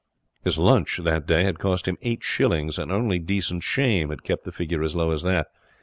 His lunch that day had cost him eight shillings, and only decent shame had kept the figure as low as that.